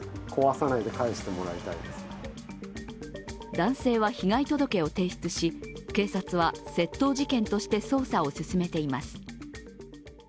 男性は被害届を提出し、警察は窃盗事件として捜査を進めています。